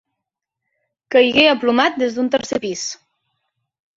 Caigué aplomat des d'un tercer pis.